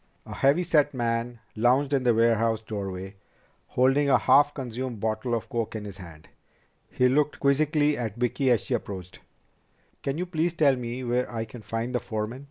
A heavy set man lounged in the warehouse doorway, holding a half consumed bottle of coke in his hand. He looked quizzically at Vicki as she approached. "Can you please tell me where I can find the foreman?"